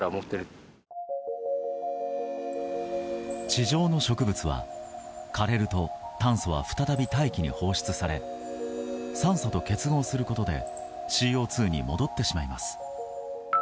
地上の植物は枯れると炭素は再び大気に放出され酸素と結合することでＣＯ２に戻ってしまいます。